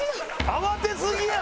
慌てすぎや！